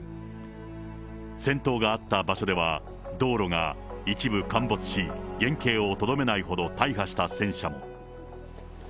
戦闘があった場所では、道路が一部陥没し、原形をとどめないほど大破した戦車も。